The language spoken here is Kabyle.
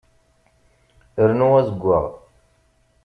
Rnu azeggaɣ.